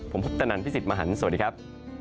ผมพุทธนันพี่สิทธิ์มหันฯสวัสดีครับ